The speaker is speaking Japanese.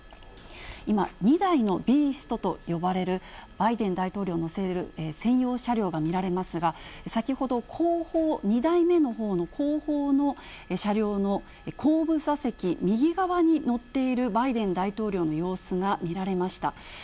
今、２台のビーストと呼ばれる、バイデン大統領を乗せる専用車両が見られますが、先ほど、後方、２台目のほうの後方の車両の後部座席、右側に乗っているバイデン大統領の様子が見られました。